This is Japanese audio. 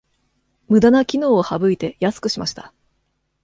ムダな機能を省いて安くしました